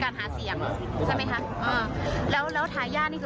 ที่มีการหาเสียงใช่ไหมครับ